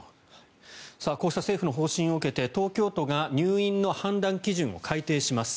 こうした政府の方針を受けて東京都が入院の判断基準を改定します。